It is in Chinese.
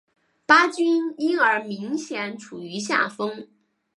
巴军因而明显处于下风。